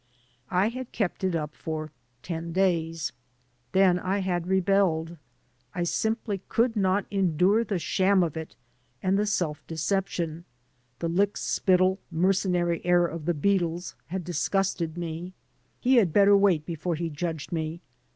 I had kept it up for ten days. Then I had rebelled. I simply could not endure the sham of it and the self deception. The lickspittle, mercenary air of the beadles had disgusted me. He had better wait before he judged me.